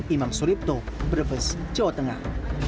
imam suripto brebes jawa tengah